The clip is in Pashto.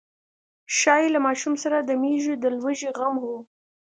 ښايي له ماشوم سره د مېږو د لوږې غم و.